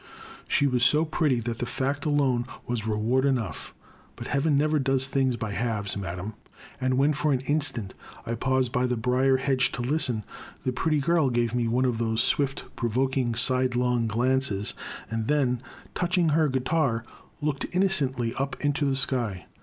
She was so pretty that the fact alone was reward enough, but Heaven never does things by halves, Madame, and when for an instant I paused by the brier hedge to listen, the pretty girl gave me one 272 The Crime. of those swift, provoking sidelong glances, and then, touching her guitar, looked innocently up into the sky.